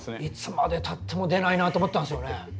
いつまでたっても出ないなと思ってたんですよね。